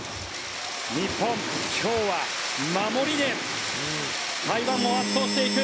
日本、今日は守りで台湾を圧倒していく。